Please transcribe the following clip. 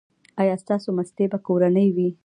ایا ستاسو ماستې به کورنۍ وي؟